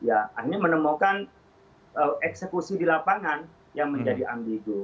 akhirnya menemukan eksekusi di lapangan yang menjadi ambigu